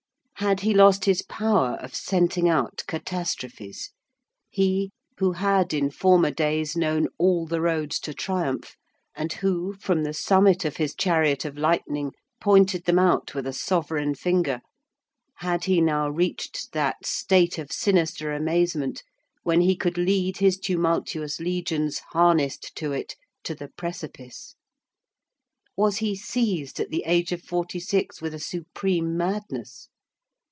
Had he lost his power of scenting out catastrophes? He who had in former days known all the roads to triumph, and who, from the summit of his chariot of lightning, pointed them out with a sovereign finger, had he now reached that state of sinister amazement when he could lead his tumultuous legions harnessed to it, to the precipice? Was he seized at the age of forty six with a supreme madness?